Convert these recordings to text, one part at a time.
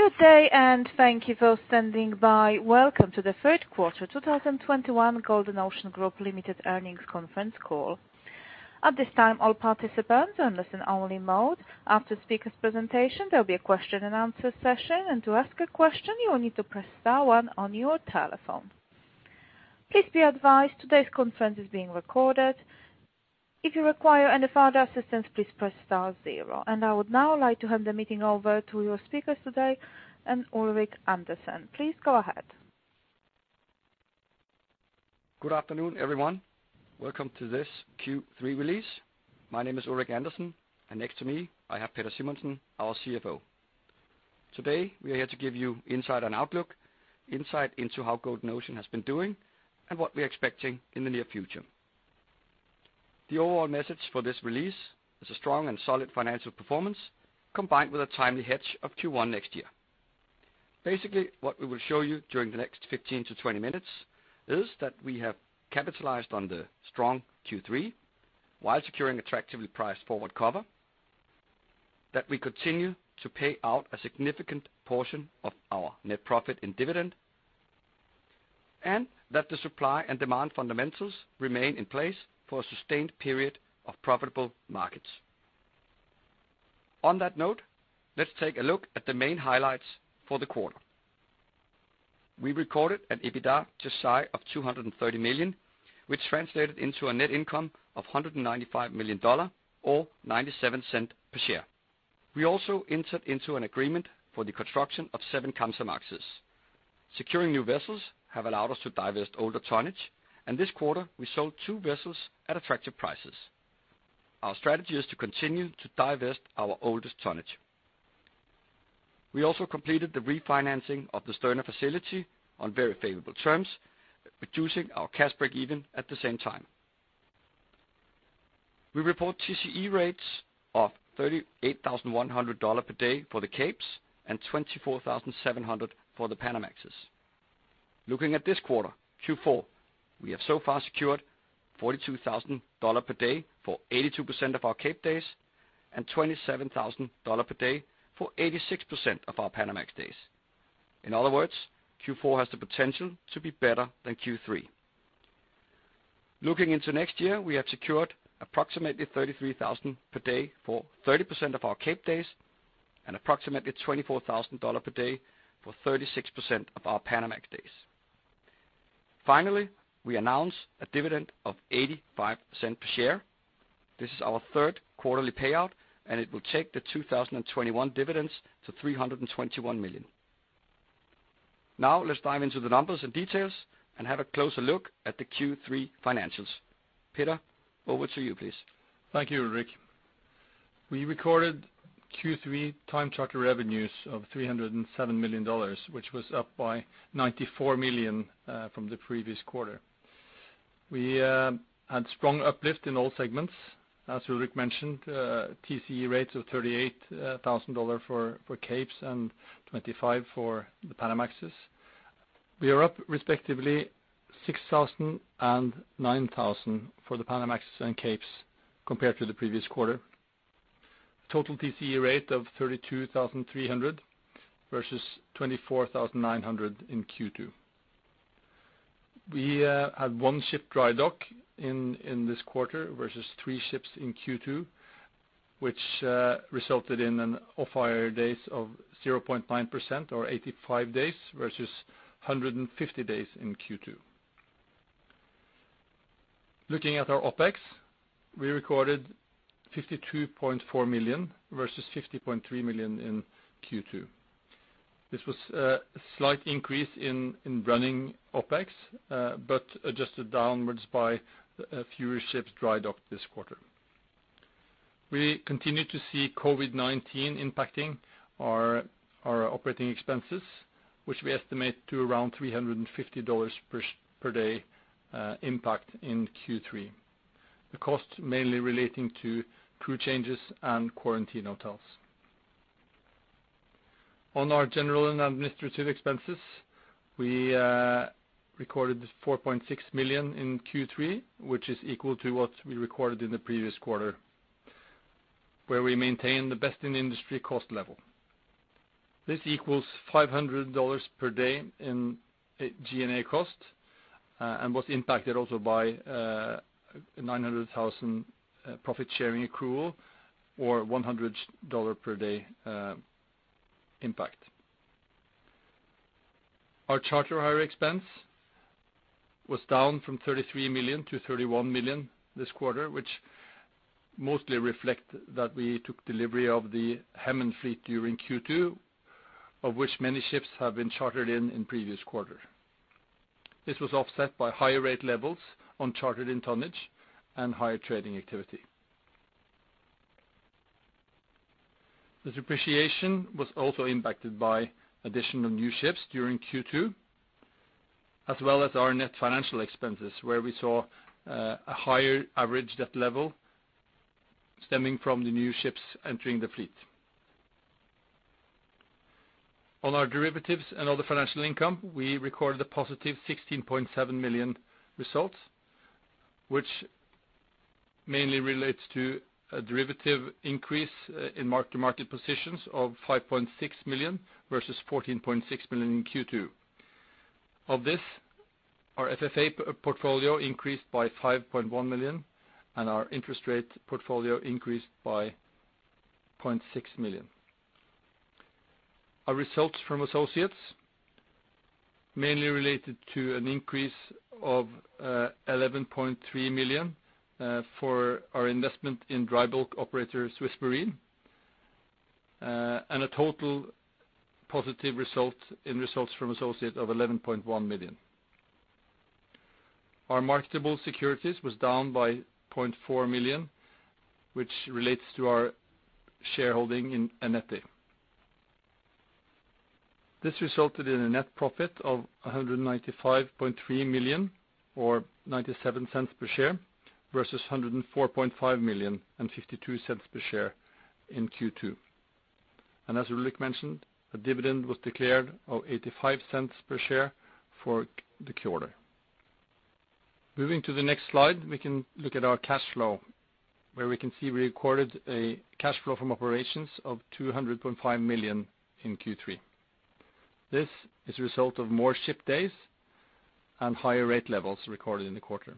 Good day, thank you for standing by. Welcome to the third quarter 2021 Golden Ocean Group Limited earnings conference call. At this time, all participants are in listen only mode. After the speaker's presentation, there'll be a question-and-answer session. To ask a question, you will need to press star one on your telephone. Please be advised, today's conference is being recorded. If you require any further assistance, please press star zero. I would now like to hand the meeting over to your speakers today Ulrik Andersen. Please go ahead. Good afternoon, everyone. Welcome to this Q3 release. My name is Ulrik Andersen, and next to me, I have Peder Simonsen, our CFO. Today, we are here to give you insight and outlook, insight into how Golden Ocean has been doing and what we're expecting in the near future. The overall message for this release is a strong and solid financial performance, combined with a timely hedge of Q1 next year. Basically, what we will show you during the next 15-20 minutes is that we have capitalized on the strong Q3 while securing attractively priced forward cover, that we continue to pay out a significant portion of our net profit in dividend, and that the supply and demand fundamentals remain in place for a sustained period of profitable markets. On that note, let's take a look at the main highlights for the quarter. We recorded an EBITDA just shy of $230 million, which translated into a net income of $195 million or $0.97 per share. We also entered into an agreement for the construction of 7 Kamsarmaxes. Securing new vessels have allowed us to divest older tonnage, and this quarter, we sold 2 vessels at attractive prices. Our strategy is to continue to divest our oldest tonnage. We also completed the refinancing of the Sterna facility on very favorable terms, reducing our cash break-even at the same time. We report TCE rates of $38,100 per day for the Capes and $24,700 for the Panamaxes. Looking at this quarter, Q4, we have so far secured $42,000 per day for 82% of our Cape days and $27,000 per day for 86% of our Panamax days. In other words, Q4 has the potential to be better than Q3. Looking into next year, we have secured approximately $33,000 per day for 30% of our Cape days and approximately $24,000 per day for 36% of our Panamax days. Finally, we announced a dividend of 85 cents per share. This is our third quarterly payout, and it will take the 2021 dividends to $321 million. Now, let's dive into the numbers and details and have a closer look at the Q3 financials. Peder, over to you, please. Thank you, Ulrik. We recorded Q3 time charter revenues of $307 million, which was up by $94 million from the previous quarter. We had strong uplift in all segments. As Ulrik mentioned, TCE rates of $38,000 for Capes and $25,000 for the Panamaxes. We are up respectively $6,000 and $9,000 for the Panamax and Capes compared to the previous quarter. Total TCE rate of $32,300 versus $24,900 in Q2. We had one ship dry dock in this quarter versus three ships in Q2, which resulted in off-hire days of 0.9% or 85 days versus 150 days in Q2. Looking at our OpEx, we recorded $52.4 million versus $50.3 million in Q2. This was a slight increase in running OpEx, but adjusted downwards by fewer ships drydocked this quarter. We continue to see COVID-19 impacting our operating expenses, which we estimate at around $350 per day impact in Q3. The cost mainly relating to crew changes and quarantine hotels. On our general and administrative expenses, we recorded $4.6 million in Q3, which is equal to what we recorded in the previous quarter, while we maintain the best in industry cost level. This equals $500 per day in G&A cost, and was impacted also by $900,000 profit-sharing accrual or $100 per day impact. Our charter hire expense was down from $33 million-$31 million this quarter, which mostly reflect that we took delivery of the Hemen fleet during Q2, of which many ships have been chartered in in previous quarter. This was offset by higher rate levels on chartered in tonnage and higher trading activity. The depreciation was also impacted by additional new ships during Q2, as well as our net financial expenses, where we saw a higher average debt level stemming from the new ships entering the fleet. On our derivatives and other financial income, we recorded a positive $16.7 million results, which mainly relates to a derivative increase in mark-to-market positions of $5.6 million versus $14.6 million in Q2. Of this, our FFA portfolio increased by $5.1 million, and our interest rate portfolio increased by $0.6 million. Our results from associates mainly related to an increase of $11.3 million for our investment in dry bulk operator SwissMarine and a total positive result in results from associates of $11.1 million. Our marketable securities was down by $0.4 million, which relates to our shareholding in Eneti. This resulted in a net profit of $195.3 million, or $0.97 per share, versus $104.5 million and $0.52 per share in Q2. As Ulrik mentioned, a dividend was declared of $0.85 per share for the quarter. Moving to the next slide, we can look at our cash flow, where we can see we recorded a cash flow from operations of $200.5 million in Q3. This is a result of more ship days and higher rate levels recorded in the quarter.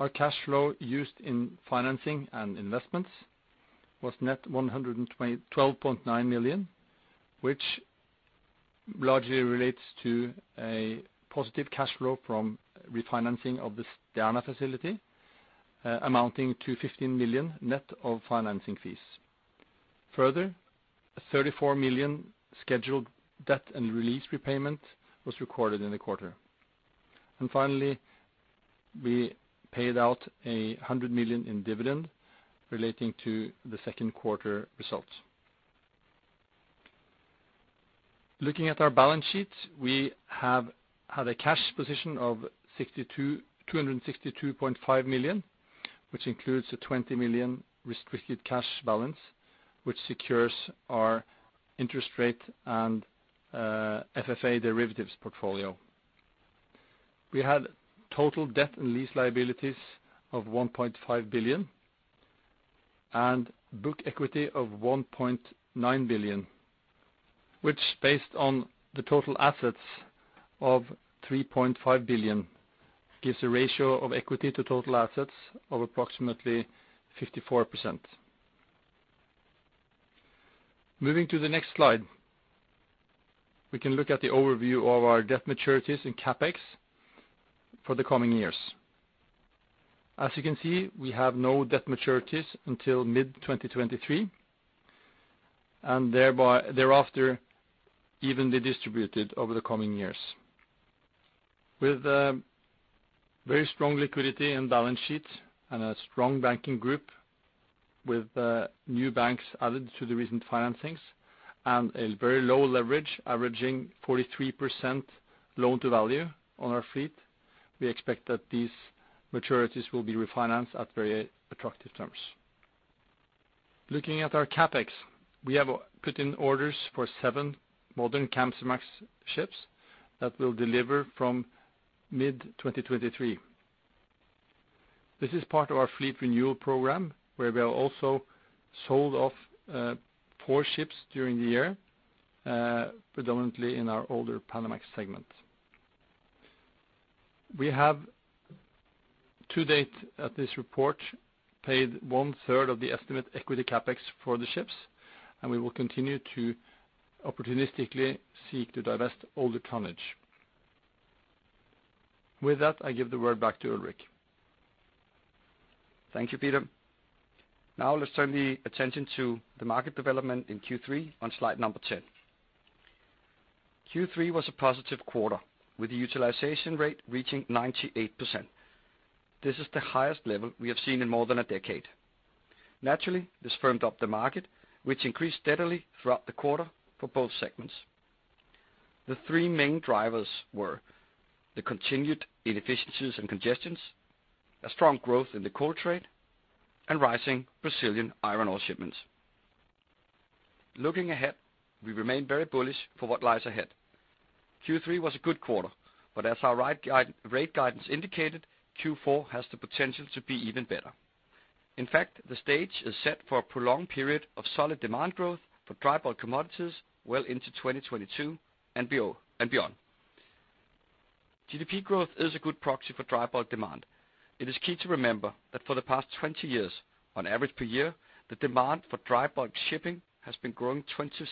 Our cash flow used in financing and investments was net $112.9 million, which largely relates to a positive cash flow from refinancing of the Sterna facility, amounting to $15 million net of financing fees. Further, a $34 million scheduled debt and lease repayment was recorded in the quarter. Finally, we paid out $100 million in dividend relating to the second quarter results. Looking at our balance sheet, we have had a cash position of $262.5 million, which includes a $20 million restricted cash balance, which secures our interest rate and FFA derivatives portfolio. We had total debt and lease liabilities of $1.5 billion and book equity of $1.9 billion, which based on the total assets of $3.5 billion, gives a ratio of equity to total assets of approximately 54%. Moving to the next slide, we can look at the overview of our debt maturities in CapEx for the coming years. As you can see, we have no debt maturities until mid-2023, and thereafter, evenly distributed over the coming years. With very strong liquidity and balance sheet and a strong banking group with new banks added to the recent financings and a very low leverage averaging 43% loan to value on our fleet, we expect that these maturities will be refinanced at very attractive terms. Looking at our CapEx, we have put in orders for seven modern Kamsarmax ships that will deliver from mid-2023. This is part of our fleet renewal program, where we have also sold off four ships during the year, predominantly in our older Panamax segment. We have, to date, at this report, paid one-third of the estimated equity CapEx for the ships, and we will continue to opportunistically seek to divest all the tonnage. With that, I give the word back to Ulrik. Thank you, Peder. Now let's turn the attention to the market development in Q3 on slide number 10. Q3 was a positive quarter, with the utilization rate reaching 98%. This is the highest level we have seen in more than a decade. Naturally, this firmed up the market, which increased steadily throughout the quarter for both segments. The three main drivers were the continued inefficiencies and congestion, a strong growth in the coal trade, and rising Brazilian iron ore shipments. Looking ahead, we remain very bullish for what lies ahead. Q3 was a good quarter, but as our rate guidance indicated, Q4 has the potential to be even better. In fact, the stage is set for a prolonged period of solid demand growth for dry bulk commodities well into 2022 and beyond. GDP growth is a good proxy for dry bulk demand. It is key to remember that for the past 20 years, on average per year, the demand for dry bulk shipping has been growing 20%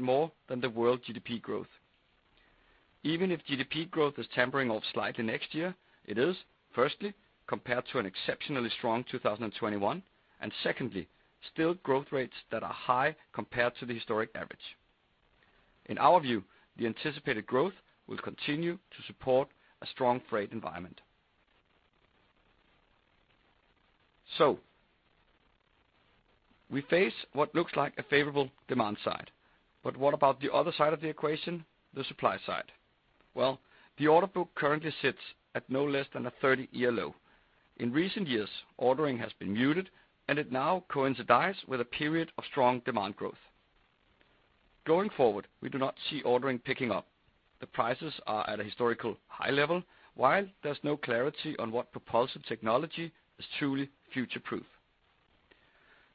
more than the world GDP growth. Even if GDP growth is tapering off slightly next year, it is firstly compared to an exceptionally strong 2021, and secondly, still growth rates that are high compared to the historic average. In our view, the anticipated growth will continue to support a strong freight environment. We face what looks like a favorable demand side. What about the other side of the equation, the supply side? Well, the order book currently sits at no less than a 30-year low. In recent years, ordering has been muted, and it now coincides with a period of strong demand growth. Going forward, we do not see ordering picking up. The prices are at a historical high level while there's no clarity on what propulsive technology is truly future-proof.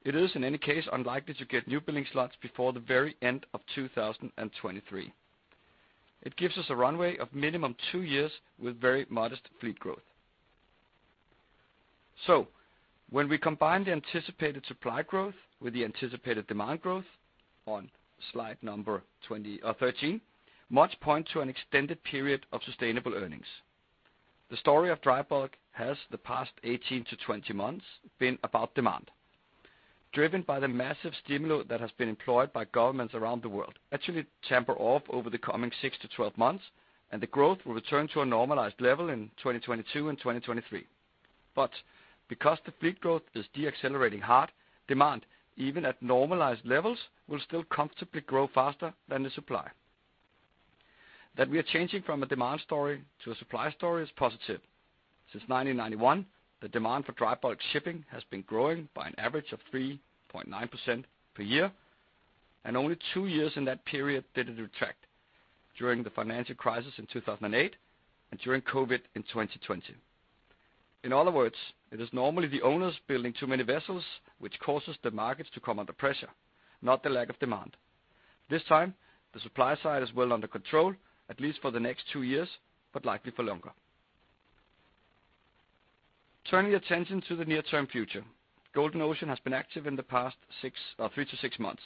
It is in any case unlikely to get new building slots before the very end of 2023. It gives us a runway of minimum two years with very modest fleet growth. When we combine the anticipated supply growth with the anticipated demand growth on slide number 20 or 13, which points to an extended period of sustainable earnings. The story of dry bulk has in the past 18-20 months been about demand driven by the massive stimulus that has been employed by governments around the world, which will actually taper off over the coming 6-12 months, and the growth will return to a normalized level in 2022 and 2023. Because the fleet growth is decelerating hard, demand even at normalized levels will still comfortably grow faster than the supply. That we are changing from a demand story to a supply story is positive. Since 1991, the demand for dry bulk shipping has been growing by an average of 3.9% per year, and only two years in that period did it retract during the financial crisis in 2008 and during COVID in 2020. In other words, it is normally the owners building too many vessels which causes the markets to come under pressure, not the lack of demand. This time, the supply side is well under control at least for the next two years, but likely for longer. Turning attention to the near-term future, Golden Ocean has been active in the past 6 or 3-6 months.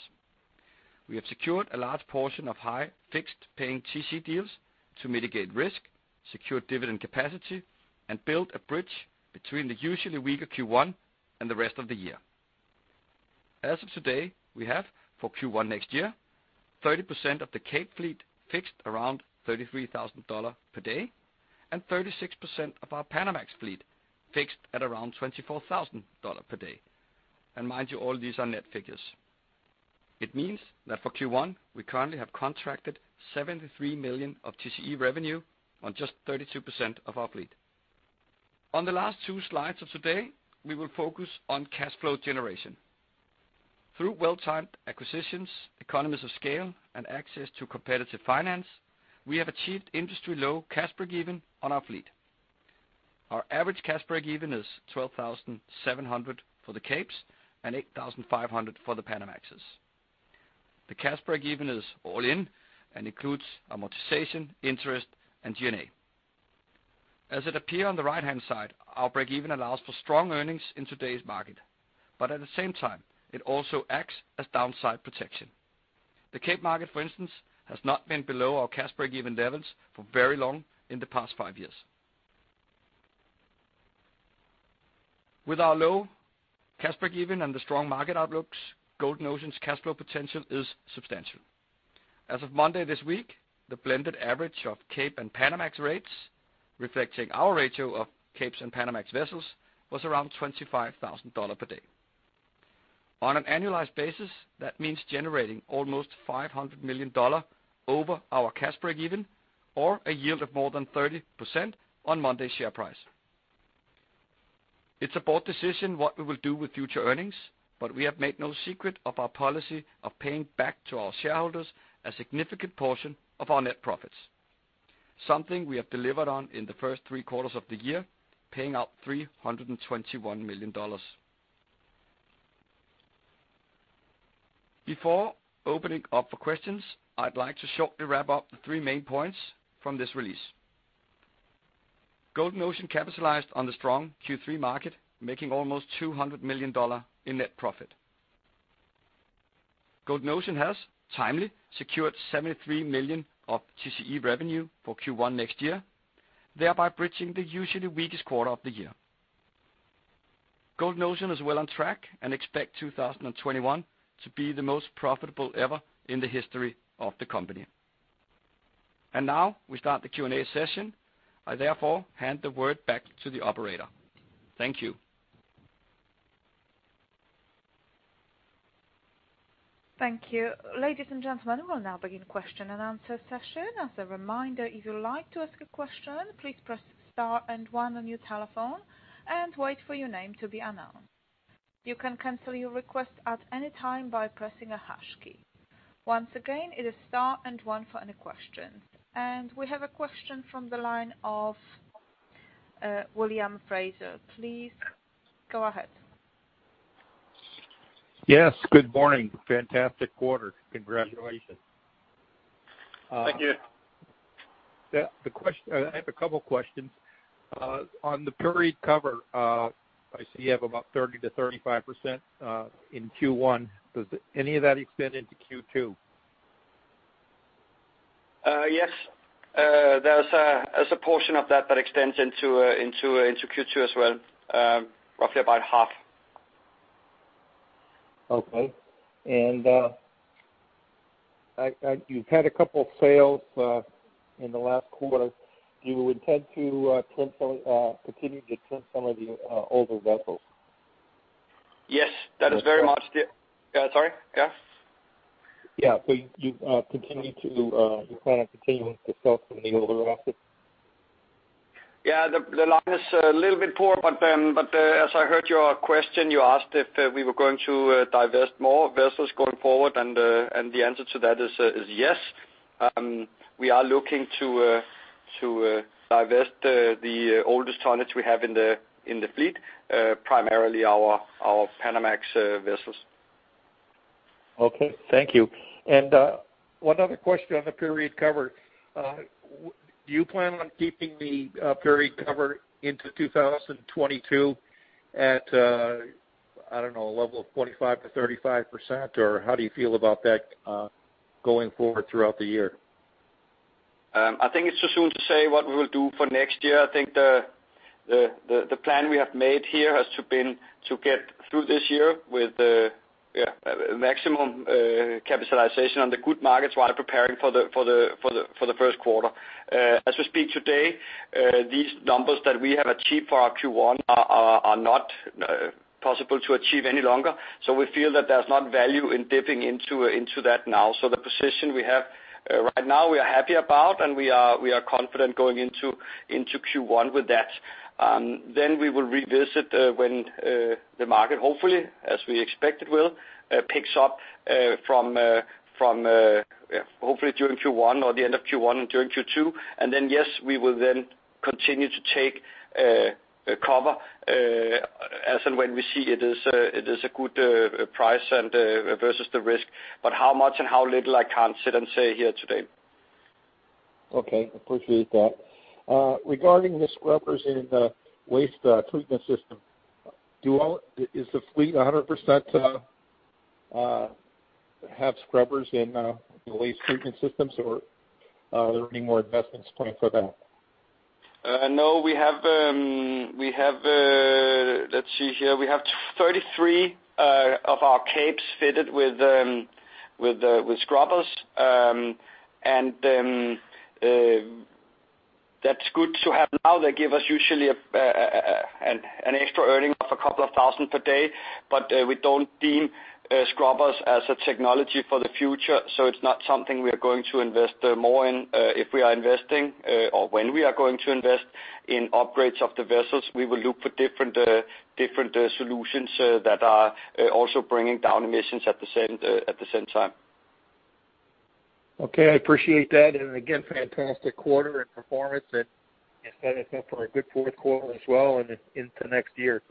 We have secured a large portion of high fixed paying TC deals to mitigate risk, secure dividend capacity, and build a bridge between the usually weaker Q1 and the rest of the year. As of today, we have for Q1 next year, 30% of the Cape fleet fixed around $33,000 per day, and 36% of our Panamax fleet fixed at around $24,000 per day. Mind you, all these are net figures. It means that for Q1 we currently have contracted $73 million of TCE revenue on just 32% of our fleet. On the last two slides of today, we will focus on cash flow generation. Through well-timed acquisitions, economies of scale and access to competitive finance, we have achieved industry low cash break even on our fleet. Our average cash break even is $12,700 for the Capes and $8,500 for the Panamax. The cash break even is all in and includes amortization, interest and G&A. As it appears on the right-hand side, our break even allows for strong earnings in today's market, but at the same time it also acts as downside protection. The Cape market, for instance, has not been below our cash break even levels for very long in the past five years. With our low cash break even and the strong market outlooks, Golden Ocean's cash flow potential is substantial. As of Monday this week, the blended average of Cape and Panamax rates, reflecting our ratio of Capes and Panamax vessels, was around $25,000 per day. On an annualized basis, that means generating almost $500 million over our cash break even or a yield of more than 30% on our share price. It's a board decision what we will do with future earnings, but we have made no secret of our policy of paying back to our shareholders a significant portion of our net profits, something we have delivered on in the first three quarters of the year, paying out $321 million. Before opening up for questions, I'd like to shortly wrap up the three main points from this release. Golden Ocean capitalized on the strong Q3 market, making almost $200 million in net profit. Golden Ocean has timely secured $73 million of TCE revenue for Q1 next year, thereby bridging the usually weakest quarter of the year. Golden Ocean is well on track and expect 2021 to be the most profitable ever in the history of the company. Now we start the Q&A session. I therefore hand the word back to the operator. Thank you. Thank you. Ladies and gentlemen, we'll now begin question-and-answer session. As a reminder, if you'd like to ask a question, please press star and one on your telephone and wait for your name to be announced. You can cancel your request at any time by pressing a hash key. Once again, it is star and one for any questions. We have a question from the line of William Fraser. Please go ahead. Yes, good morning. Fantastic quarter. Congratulations. Thank you. Yeah. I have a couple questions. On the period cover, I see you have about 30-35% in Q1. Does any of that extend into Q2? Yes. There's a portion of that that extends into Q2 as well, roughly about half. Okay. You've had a couple sales in the last quarter. Do you intend to trim some, continue to trim some of the older vessels? Yes, that is very much. Okay. Sorry? Yeah. Yeah. You plan on continuing to sell some of the older vessels? Yeah, the line is a little bit poor, but as I heard your question, you asked if we were going to divest more vessels going forward, and the answer to that is yes. We are looking to divest the oldest tonnage we have in the fleet, primarily our Panamax vessels. Okay. Thank you. One other question on the period cover. Do you plan on keeping the period cover into 2022 at, I don't know, a level of 25%-35%, or how do you feel about that going forward throughout the year? I think it's too soon to say what we will do for next year. I think the plan we have made here has to be to get through this year with maximum capitalization on the good markets while preparing for the first quarter. As we speak today, these numbers that we have achieved for our Q1 are not possible to achieve any longer. We feel that there's no value in dipping into that now. The position we have right now, we are happy about, and we are confident going into Q1 with that. We will revisit when the market, hopefully, as we expect it will, picks up from hopefully during Q1 or the end of Q1 and during Q2. Yes, we will then continue to take cover as and when we see it is a good price and versus the risk. How much and how little I can't sit and say here today. Okay. Appreciate that. Regarding the scrubbers in the waste treatment system, is the fleet 100% have scrubbers in the waste treatment systems, or are there any more investments planned for that? No. We have 33 of our Capes fitted with scrubbers. That's good to have now. They give us usually an extra earning of $2,000 per day, but we don't deem scrubbers as a technology for the future, so it's not something we are going to invest more in. If we are investing or when we are going to invest in upgrades of the vessels, we will look for different solutions that are also bringing down emissions at the same time. Okay, I appreciate that. Again, fantastic quarter and performance and setting us up for a good fourth quarter as well and into next year.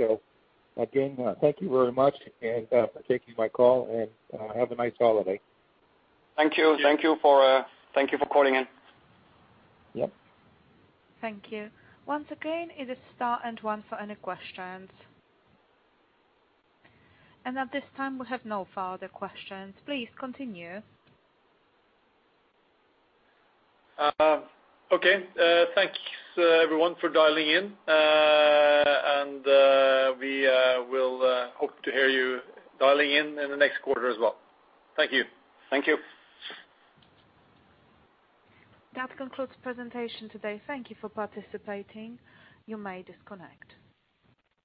Again, thank you very much and for taking my call, and have a nice holiday. Thank you. Thank you for calling in. Yep. Thank you. Once again, it is star and one for any questions. And at this time, we have no further questions. Please continue. Okay. Thanks, everyone for dialing in. We will hope to hear you dialing in in the next quarter as well. Thank you. Thank you. That concludes the presentation today. Thank you for participating. You may disconnect.